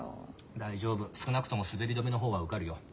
大丈夫少なくとも滑り止めの方は受かるよ。